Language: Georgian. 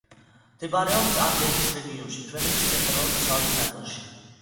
მდებარეობს ანდების რეგიონში, ქვეყნის ცენტრალურ-დასავლეთ ნაწილში.